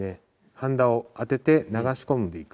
はんだを当てて流し込んでいく。